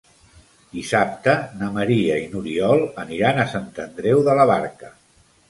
Dissabte na Maria i n'Oriol aniran a Sant Andreu de la Barca.